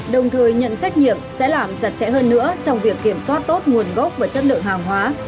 đồng thời nhận trách nhiệm sẽ làm chặt chẽ hơn nữa trong việc kiểm soát tốt nguồn gốc và chất lượng hàng hóa